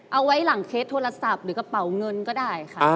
เอาไว้หลังเคสโทรศัพท์หรือกระเป๋าเงินก็ได้ค่ะ